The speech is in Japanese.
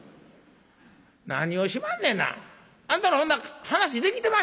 「何をしまんねんな。あんたらほんな話できてましたんかいな。